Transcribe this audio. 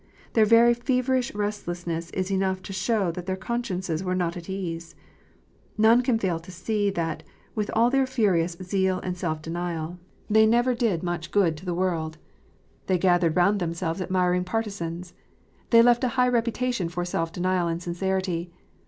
Their very feverish restlessness is enough to show that their consciences were not at ease. None can fail to see that, with all their furious zeal and self denial, DIVERS AND STRANGE DOCTRINES. 359 they never did much good to the world. They gathered round themselves admiring partisans. They left a high reputation for self denial and sincerity.